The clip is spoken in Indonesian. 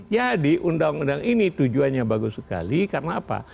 jadi undang undang ini tujuannya bagus sekali karena apa